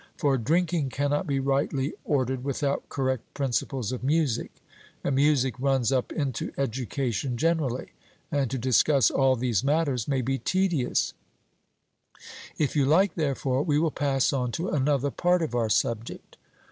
For drinking cannot be rightly ordered without correct principles of music, and music runs up into education generally, and to discuss all these matters may be tedious; if you like, therefore, we will pass on to another part of our subject.